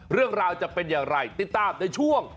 เรื่องราวจะเป็นอย่างไรติดตามในช่วง